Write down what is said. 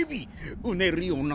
うねるような姿。